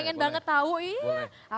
pengen banget tahu iya